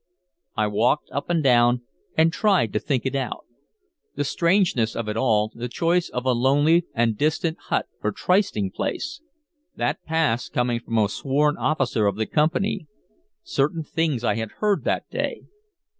I walked up and down, and tried to think it out. The strangeness of it all, the choice of a lonely and distant hut for trysting place, that pass coming from a sworn officer of the Company, certain things I had heard that day...